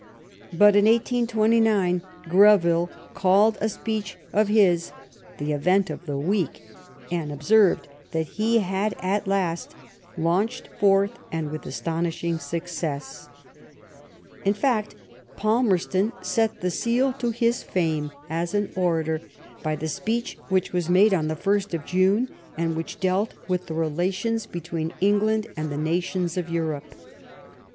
'^ But in 1829 Greville called a speech of his '^ the event of the week/' and observed that he had at last *' launched forth, and with astonishing success/' In fact, Palmerston set the seal to his fame as an orator by the speech which was made on the Ist of June, and which dealt with the relations between England and the nations of Europe.